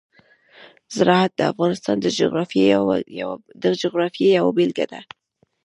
زراعت د افغانستان د جغرافیې یوه بېلګه ده.